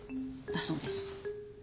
だそうです。